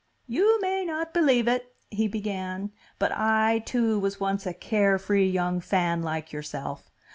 "You may not believe it (he began) but I, too, was once a carefree young fan like yourself.